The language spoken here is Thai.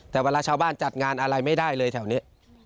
แต่เวลาชาวบ้านจัดงานอะไรไม่ได้เลยแถวนี้